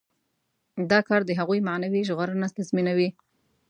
دا کار د هغوی معنوي ژغورنه تضمینوي.